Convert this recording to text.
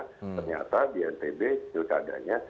ternyata di ntb keadaannya